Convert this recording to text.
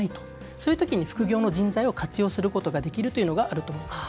そういう時に副業の人材を活用することができるというのがあると思います。